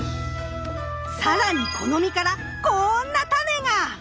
更にこの実からこんなタネが！